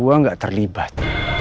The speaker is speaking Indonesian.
kalo gue gak terlibat